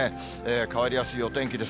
変わりやすいお天気です。